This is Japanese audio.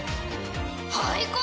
廃校！？